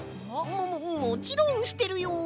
もももちろんしてるよ！